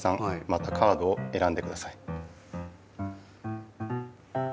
またカードをえらんでください。